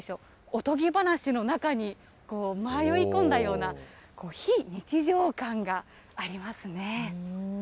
おとぎ話の中に迷い込んだような、非日常感がありますね。